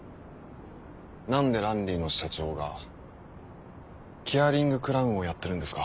何でランリーの社長がケアリングクラウンをやってるんですか？